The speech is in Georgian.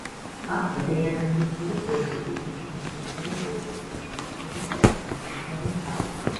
აქვს ღია ნაცრისფერი გვერდები, მუქი ნაცრისფერი ზურგი, მუქი ცისფერი ყელი, ნაცრისფერი თავი.